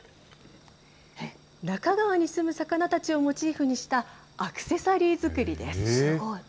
那珂川に住む魚たちをモチーフにしたアクセサリー作りです。